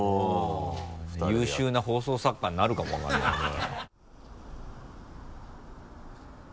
優秀な放送作家になるかもわかんないよこれ。